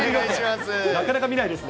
なかなか見ないですね。